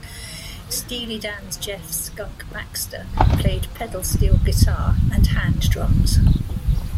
Steely Dan's Jeff "Skunk" Baxter played pedal steel guitar and hand drums.